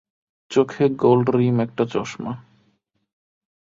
চোখে gold rim একটা চশমা।